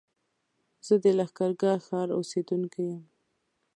زه د لښکرګاه ښار اوسېدونکی يم